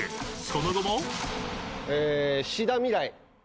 ［その後も］